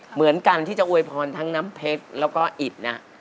เหมือนกันที่จะอวยพรทั้งน้ำเพชรแล้วก็อิดนะ